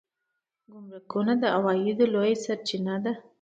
ګمرکونه د عوایدو لویه سرچینه ده